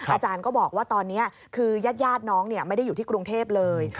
อาจารย์ก็บอกว่าตอนนี้คือญาติน้องไม่ได้อยู่ที่กรุงเทพเลย